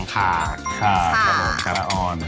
ขาขาขาลออน